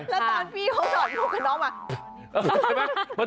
ตอนพี่ก็เจาะโกะน้องมา